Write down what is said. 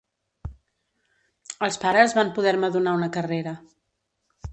Els pares van poder-me donar una carrera.